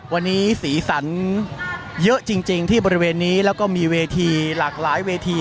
วันนี้สีสันเยอะจริงที่บริเวณนี้แล้วก็มีเวทีหลากหลายเวที